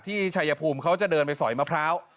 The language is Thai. ชายภูมิเขาจะเดินไปสอยมะพร้าว